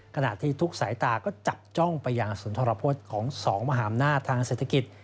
กระดาษที่ทุกสายตาก็จับจ้องไปยังสนทรพจน์ของ๒มหาลักษณะทางเศรษฐกิจ